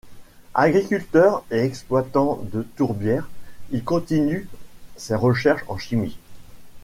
Agriculteur et exploitant de tourbières, il continue ses recherches en chimie.